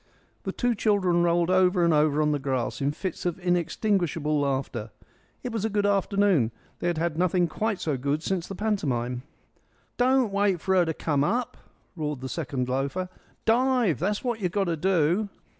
The two children rolled over and over on the grass in fits of inextinguishable laughter. It was a good afternoon; they had had nothing quite so good since the pantomime. "Don't wait for her to come up," roared the second loafer. "Dive. That's what you've got to do."